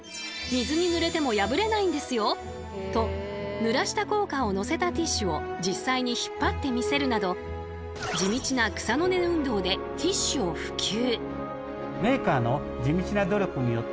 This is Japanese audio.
ティッシュを置いてもらうためとぬらした硬貨をのせたティッシュを実際に引っ張って見せるなど地道な草の根運動でティッシュを普及。